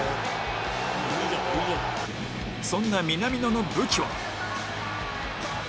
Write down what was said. そんな南野の武器は